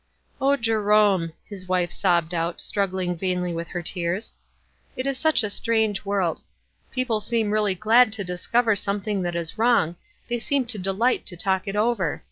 "O Jerome !" his wife sobbed out, struggling vainly with her tears, "it is such a strange world ! People seem really glad to discover something that is wrong — they seem to delight to talk it over.